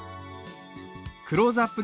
クローズアップ